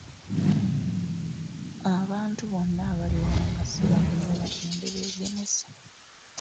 Abantu bonna abali wano nga si bageme bagende beegemese.